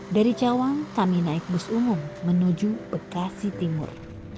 dari cawang kami naik bus umum menuju bekasi timur